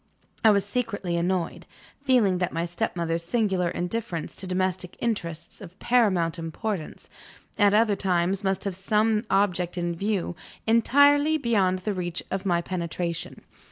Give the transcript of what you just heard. I was secretly annoyed, feeling that my stepmother's singular indifference to domestic interests of paramount importance, at other times, must have some object in view, entirely beyond the reach of my penetration.